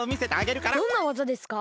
どんなわざですか？